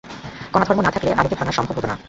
কনাধর্ম না থাকলে আলোকে ভাঙা সম্ভব হত না।